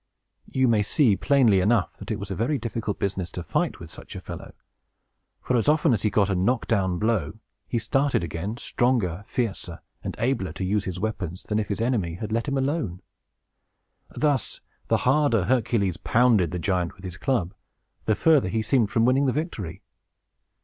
You may see, plainly enough, that it was a very difficult business to fight with such a fellow; for, as often as he got a knock down blow, up he started again, stronger, fiercer, and abler to use his weapons, than if his enemy had let him alone. Thus, the harder Hercules pounded the giant with his club, the further he seemed from winning the victory.